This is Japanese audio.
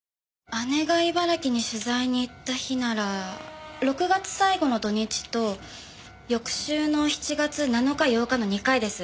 姉が茨城に取材に行った日なら６月最後の土日と翌週の７月７日８日の２回です。